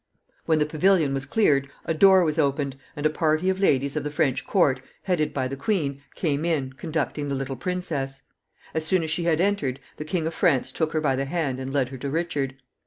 When the pavilion was cleared a door was opened, and a party of ladies of the French court, headed by the queen, came in, conducting the little princess. As soon as she had entered, the King of France took her by the hand and led her to Richard.